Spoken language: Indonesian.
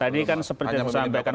tadi kan seperti yang disampaikan